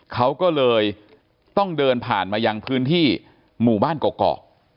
เขาก็เลยต้องเดินผ่านมายังพื้นที่หมู่บ้านเกาะ